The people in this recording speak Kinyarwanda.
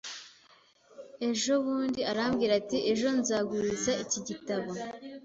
Ejo bundi arambwira ati: "Ejo nzaguriza iki gitabo."